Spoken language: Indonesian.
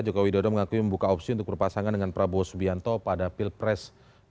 jokowi dodo mengakui membuka opsi untuk berpasangan dengan prabowo subianto pada pilpres dua ribu sembilan belas